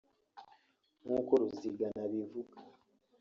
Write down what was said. nk’uko Ruzigana abivuga